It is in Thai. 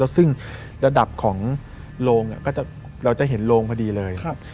ซึ่งระดับของโรงเราจะเห็นโรงพอดีเลย